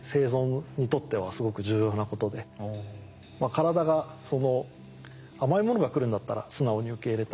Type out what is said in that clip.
体が甘いものが来るんだったら素直に受け入れたい。